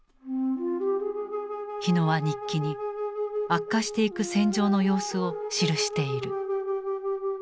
火野は日記に悪化していく戦場の様子を記している。